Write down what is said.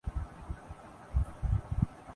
نہ ہی بنانے کی کوشش کرنی چاہیے۔